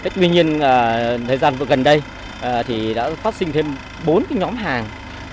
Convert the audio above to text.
tuy nhiên thời gian gần đây thì đã phát sinh thêm bốn cái nhóm hàng